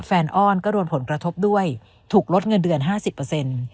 อ้อนก็โดนผลกระทบด้วยถูกลดเงินเดือนห้าสิบเปอร์เซ็นต์